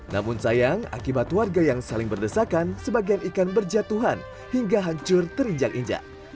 namun sayang akibat warga yang saling berdesakan sebagian ikan berjatuhan hingga hancur terinjak injak